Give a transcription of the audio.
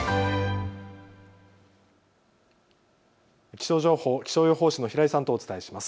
気象情報、気象予報士の平井さんとお伝えします。